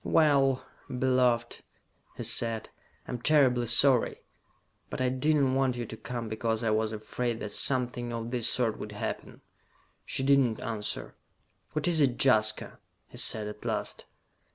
"Well, beloved," he said. "I am terribly sorry. But I did not want you to come because I was afraid that something of this sort would happen." She did not answer. "What is it, Jaska?" he said at last.